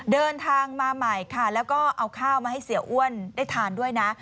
เดินทางมาใหม่ค่ะแล้วก็เอาข้าวมาให้เสียอ้วนได้ทานด้วยนะ